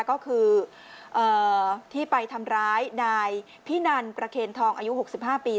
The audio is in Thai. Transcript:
ก็คือที่ไปทำร้ายนายพินันประเคนทองอายุ๖๕ปี